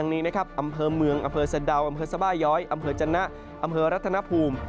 นี้นะครับอำเภอเมืองอำเภอสะดาวอำเภอสบาย้อยอำเภอจนะอำเภอรัฐนภูมิ